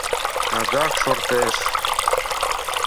Адак шортеш.